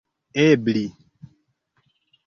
ebli